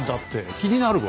気になるわ。